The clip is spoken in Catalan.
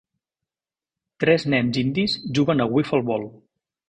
Tres nens indis juguen a 'wiffle ball'.